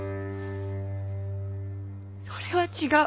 それは違う。